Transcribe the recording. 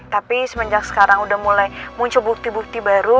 tapi semenjak sekarang udah mulai muncul bukti bukti baru